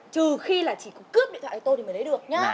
trừ khi là chỉ có cướp điện thoại của tôi thì mới lấy được nhá